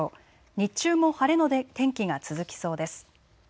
日中も晴れの天気が続きそうです。